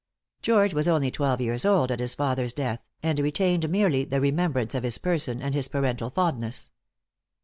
George was only twelve years old at his father's death, and retained merely the remembrance of his person, and his parental fondness.